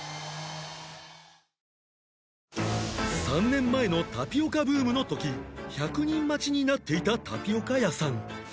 ３年前のタピオカブームの時１００人待ちになっていたタピオカ屋さん